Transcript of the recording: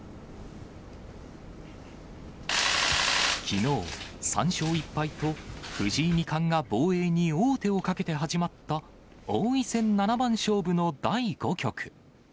きのう、３勝１敗と、藤井二冠が防衛に王手をかけて始まった王位戦七番勝負の第５局。